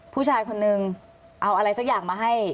ผู้ชายคนนึงเอาอะไรสักอย่างมาให้